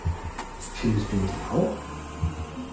Findest du nicht auch?